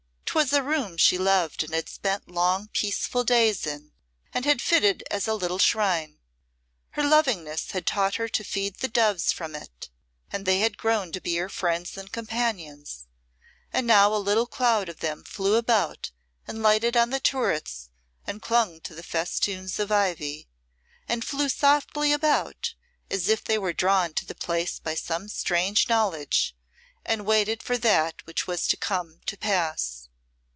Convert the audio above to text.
'Twas a room she loved and had spent long, peaceful days in, and had fitted as a little shrine. Her lovingness had taught her to feed the doves from it, and they had grown to be her friends and companions, and now a little cloud of them flew about and lighted on the turrets and clung to the festoons of ivy, and flew softly about as if they were drawn to the place by some strange knowledge and waited for that which was to come to pass.